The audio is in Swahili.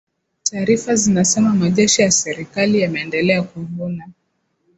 taarifa zinasema majeshi ya serikali yameendelea kuvuna